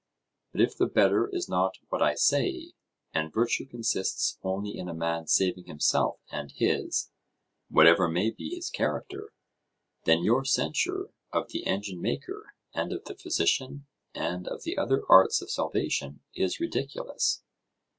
But if the better is not what I say, and virtue consists only in a man saving himself and his, whatever may be his character, then your censure of the engine maker, and of the physician, and of the other arts of salvation, is ridiculous.